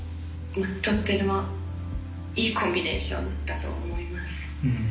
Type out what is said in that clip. とてもいいコンビネーションだと思います。